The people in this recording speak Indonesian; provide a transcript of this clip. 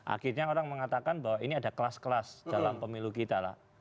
akhirnya orang mengatakan bahwa ini ada kelas kelas dalam pemilu kita lah